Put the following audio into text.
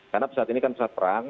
karena saat ini kan saat perang